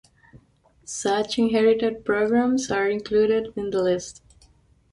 Such inherited programmes are included in the list.